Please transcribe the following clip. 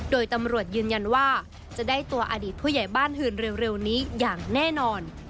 โดยตำรวจยืนยันว่าจะได้ตัวอดีตผู้ใหญ่บ้านหื่นเร็วนี้อย่างแน่นอน